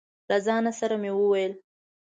له ځانه سره مې وويل: